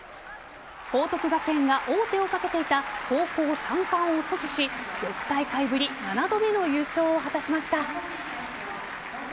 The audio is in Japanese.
報徳学園が王手をかけていた高校３冠を阻止し６大会ぶり７度目の優勝を果たしました。